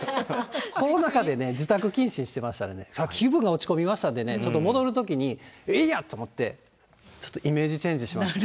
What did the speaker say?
コロナ禍で自宅謹慎してましたら、気分が落ち込みましたんでね、ちょっと戻るときにえいや！と思って、ちょっとイメージチェンジしました。